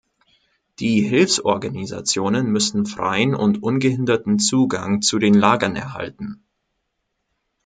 Die Hilfsorganisationen müssen freien und ungehinderten Zugang zu den Lagern erhalten.